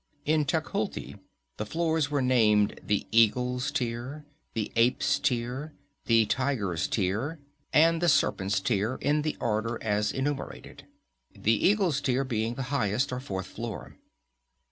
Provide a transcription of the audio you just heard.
In Tecuhltli the floors were named The Eagle's Tier, The Ape's Tier, The Tiger's Tier and The Serpent's Tier, in the order as enumerated, The Eagle's Tier being the highest, or fourth, floor.